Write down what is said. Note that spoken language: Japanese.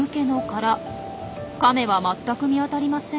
カメは全く見当たりません。